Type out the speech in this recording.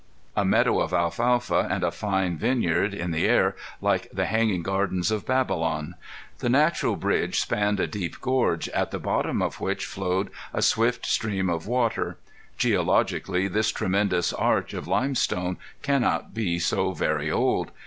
A meadow of alfalfa and a fine vineyard, in the air, like the hanging gardens of Babylon! The natural bridge spanned a deep gorge, at the bottom of which flowed a swift stream of water. Geologically this tremendous arch of limestone cannot be so very old.